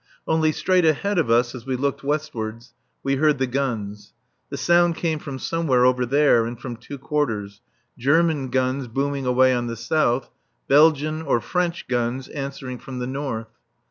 Only, straight ahead of us, as we looked westwards, we heard the guns. The sound came from somewhere over there and from two quarters; German guns booming away on the south, Belgian [? French] guns answering from the north.